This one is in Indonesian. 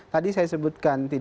tadi saya sebutkan